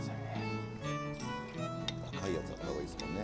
赤いやつあったほうがいいっすもんね。